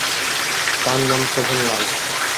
তার নাম শোভনলাল।